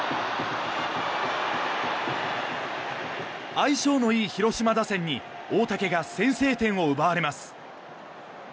相性のいい広島打線に大竹が先制点を奪われます。